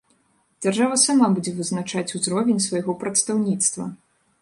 Дзяржава сама будзе вызначаць узровень свайго прадстаўніцтва.